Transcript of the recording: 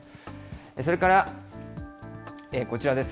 それから、こちらです。